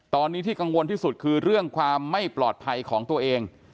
ตอนนี้ที่กังวลที่สุดคือเรื่องความไม่ปลอดภัยของตัวเอง